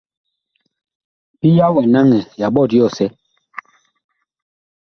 Pia wa naŋɛ ya ɓɔt yɔsɛ.